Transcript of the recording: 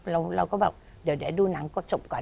เราก็แบบเดี๋ยวดูหนังกดจบก่อน